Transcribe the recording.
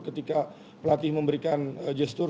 ketika pelatih memberikan gestur